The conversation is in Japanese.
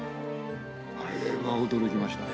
あれは驚きましたね。